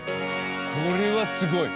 これはすごい。